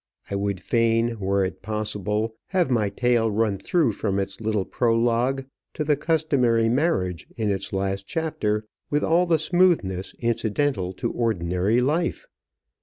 I would fain, were it possible, have my tale run through from its little prologue to the customary marriage in its last chapter, with all the smoothness incidental to ordinary life.